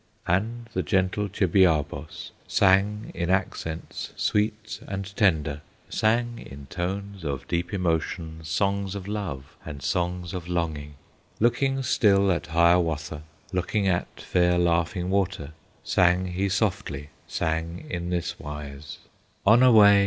And the gentle Chibiabos Sang in accents sweet and tender, Sang in tones of deep emotion, Songs of love and songs of longing; Looking still at Hiawatha, Looking at fair Laughing Water, Sang he softly, sang in this wise: "Onaway!